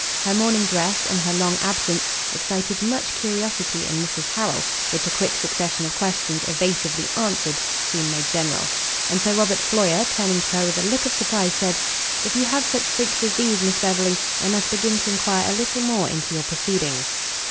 Her morning dress, and her long absence, excited much curiosity in Mrs Harrel, which a quick succession of questions evasively answered soon made general; and Sir Robert Floyer, turning to her with a look of surprise, said, "If you have such freaks as these, Miss Beverley, I must begin to enquire a little more into your proceedings."